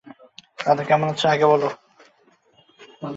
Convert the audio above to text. দাদা কেমন আছে আগে বলো।